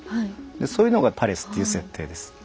そういうのがパレスっていう設定です。